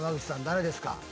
誰ですか？